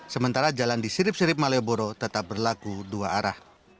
sementara jalan di sirip sirip malioboro tetap berlaku dua arah